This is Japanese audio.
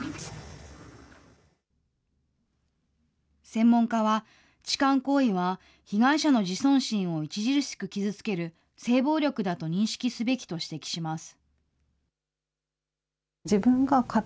専門家は、痴漢行為は被害者の自尊心を著しく傷つける性暴力だと認識すべきと指摘します。